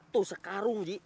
tuh sekarung ji